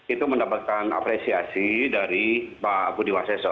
itu mendapatkan apresiasi dari pak budiwaseso